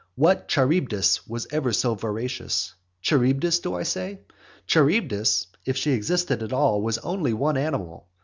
What Charybdis was ever so voracious? Charybdis, do I say? Charybdis, if she existed at all, was only one animal.